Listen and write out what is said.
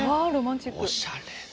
おしゃれ。